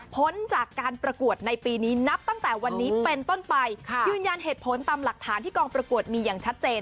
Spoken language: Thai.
พ้นจากการประกวดในปีนี้นับตั้งแต่วันนี้เป็นต้นไปยืนยันเหตุผลตามหลักฐานที่กองประกวดมีอย่างชัดเจน